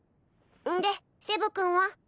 でセブ君は？